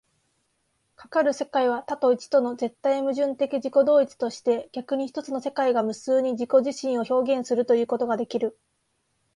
かかる世界は多と一との絶対矛盾的自己同一として、逆に一つの世界が無数に自己自身を表現するということができる。